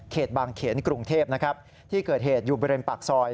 เขตบางเขียนกรุงเทพที่เกิดเหตุอยู่บริเวณปากซอย